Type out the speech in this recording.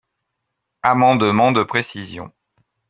Amendement de précision.